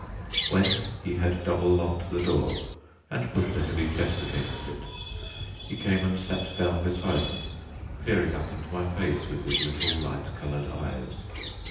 When he had double locked the door and pushed a heavy chest against it, he came and sat down beside me, peering up into my face with his little light coloured eyes.